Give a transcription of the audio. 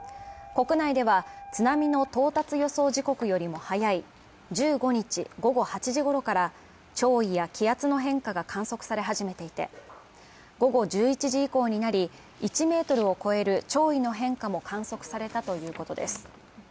国内では、津波の到達予想時刻よりも早い１５日午後８時ごろから、潮位や気圧の変化が観測され始めていて午後１１時以降になり、１ｍを超える潮位の変化も観測されたということです。